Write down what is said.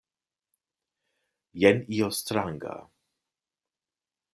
Jen io stranga.